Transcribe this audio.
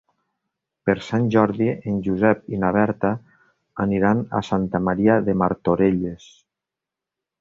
Per Sant Jordi en Josep i na Berta aniran a Santa Maria de Martorelles.